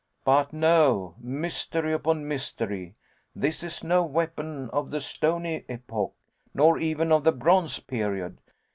But no mystery upon mystery this is no weapon of the stony epoch, nor even of the bronze period.